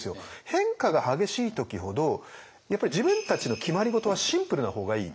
変化が激しい時ほどやっぱり自分たちの決まり事はシンプルな方がいい。